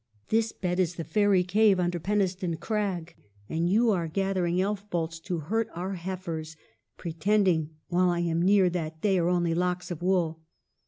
This bed is the fairy cave under Peniston Crag, and you are gathering elf bolts to hurt our heifers ; pretending while I am near that they are only locks of wool.